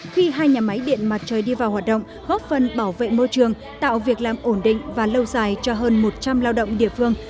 khi hai nhà máy điện mặt trời đi vào hoạt động góp phần bảo vệ môi trường tạo việc làm ổn định và lâu dài cho hơn một trăm linh lao động địa phương